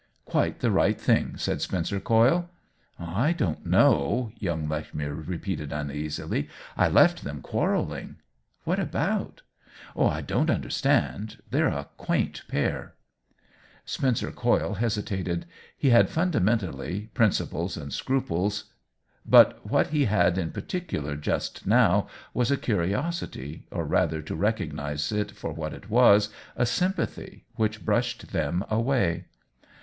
" Quite the right thing," said Spencer Coyle. "I don't know," young Lechmere re peated, uneasily. " I left them quarrelling." " What about ?"*• I don't understand. They're a quaint pair !" 214 OWEN WINGRAVE Spencer Coyle hesitated. He had, fun damentally, principles and scruples, but what he had in particular just now was a curiosity, or rather, to recognize it for what it was, a sympathy, which brushed them away.